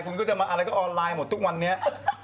คุณก็จะมาอะไรก็ออนไลน์หมดทุกวันนี้